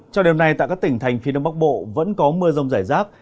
trong đêm nay tại các tỉnh thành phía đông bắc bộ vẫn có mưa rông rải rác